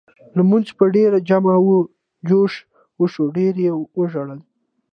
لمونځ په ډېر جم و جوش وشو ډېر یې وژړل.